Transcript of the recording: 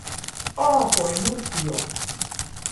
Ogoe mutio